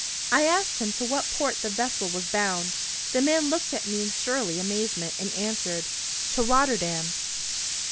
I asked him to what port the vessel was bound. The man looked at me in surly amazement, and answered: "To Rotterdam."